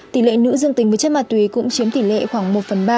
tỷ lệ nữ dương tình với chất ma túy cũng chiếm tỷ lệ khoảng một phần ba